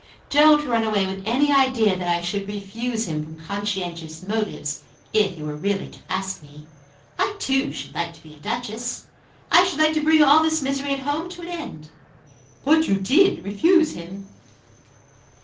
Don't run away with any idea that I should refuse him from conscientious motives, if he were really to ask me. I too should like to be a Duchess. I should like to bring all this misery at home to an end." "But you did refuse him."